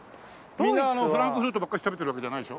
みんなフランクフルトばっかし食べてるわけじゃないでしょ？